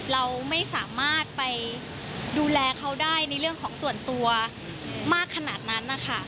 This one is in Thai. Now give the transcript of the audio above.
เราไม่สามารถไปดูแลเขาได้ในเรื่องของส่วนตัวมากขนาดนั้นนะคะ